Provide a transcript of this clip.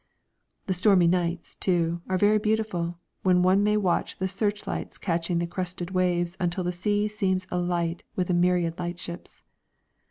The stormy nights, too, are very beautiful, when one may watch the searchlights catching the crested waves, until the sea seems alight with a myriad lightships.